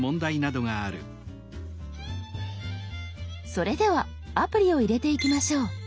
それではアプリを入れていきましょう。